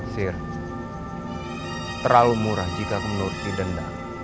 sir terlalu murah jika aku menuruti dendam